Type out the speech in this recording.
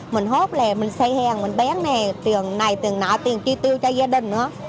mình hốt lè mình xoay hàng mình bé này tiền này tiền nọ tiền chi tiêu cho gia đình nữa